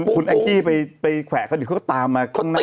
คุณแองจี้ไปแขวะเขาดิเขาก็ตามมาข้างหน้า